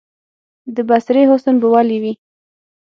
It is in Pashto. د بصرې حسن به ولي وي،